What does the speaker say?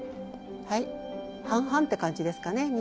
はい半々って感じですかね。